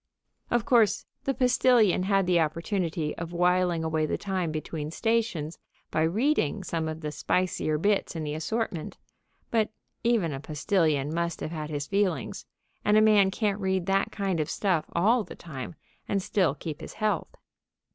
Of course, the postilion had the opportunity of whiling away the time between stations by reading some of the spicier bits in the assortment, but even a postilion must have had his feelings, and a man can't read that kind of stuff all of the time, and still keep his health.